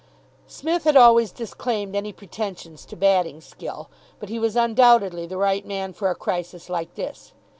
Psmith had always disclaimed any pretensions to batting skill, but he was undoubtedly the right man for a crisis like this.